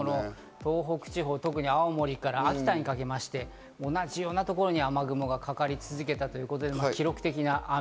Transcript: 東北地方、特に青森から秋田にかけまして同じようなところに雨雲がかかり続けたということで、記録的な雨。